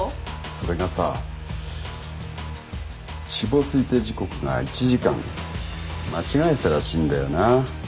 それがさ死亡推定時刻が１時間間違えてたらしいんだよな。